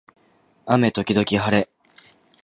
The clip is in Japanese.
雨時々はれ